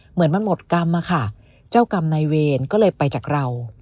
เหมือนมันหมดกรรมอะค่ะเจ้ากรรมนายเวรก็เลยไปจากเรา